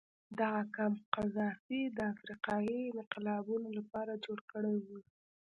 دغه کمپ قذافي د افریقایي انقلابینو لپاره جوړ کړی و.